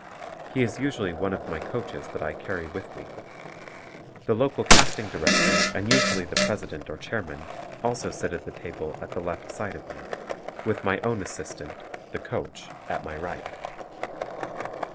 He is usually one of my coaches that I carry with me. The local casting director and usually the president or chairman, also sit at the table at the left side of me, with my own assistant (the "coach") at my right.